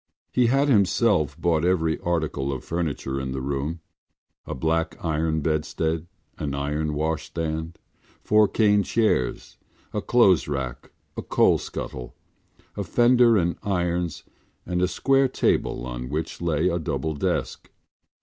He had himself bought every article of furniture in the room: a black iron bedstead, an iron washstand, four cane chairs, a clothes rack, a coal scuttle, a fender and irons and a square table on which lay a double desk.